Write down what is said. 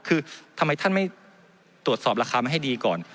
คือทำไมท่านไม่ตรวจสอบราคามาให้ดีก่อน